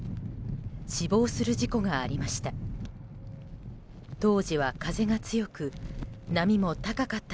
死亡する事故がありました。